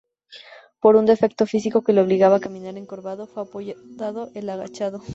Por un defecto físico que le obligaba a caminar encorvado, fue apodado El Agachado.